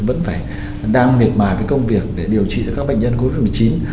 vẫn phải đang miệt mài với công việc để điều trị cho các bệnh nhân covid một mươi chín